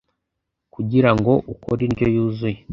kugirango ukore indyo yuzuye